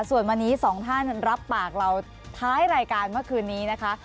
ส่วนวันนี้สองท่านรับปากเราท้ายรายการเมื่อคืนนี้นะคะ